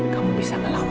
kamu bisa melawan